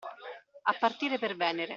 A partire per Venere.